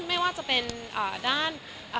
ไม่ว่าจะเป็นด้าน